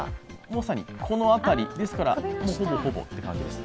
まさにこの辺り、ですから、ほぼほぼという感じです。